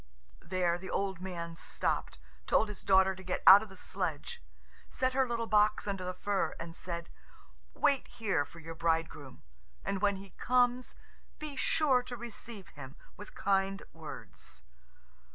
There the old man stopped, told his daughter to get out of the sledge, set her little box under the fir, and said, "Wait here for your bridegroom, and when he comes be sure to receive him with kind words."